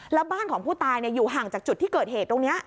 แล้วบ้านของผู้ตายอยู่ห่างจากจุดที่เกิดเหตุตรงนี้